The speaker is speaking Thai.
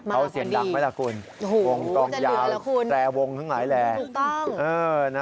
เอาเสียงดักไหมละคุณวงกองยาวแปลวงทั้งหลายแลถูกต้อง